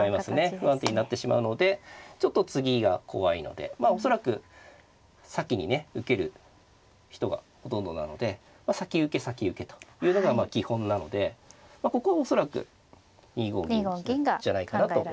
不安定になってしまうのでちょっと次が怖いので恐らく先にね受ける人がほとんどなので先受け先受けというのが基本なのでここは恐らく２五銀じゃないかなと思いますね。